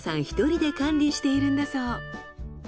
一人で管理しているんだそう。